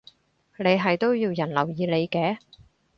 你係都要人留意你嘅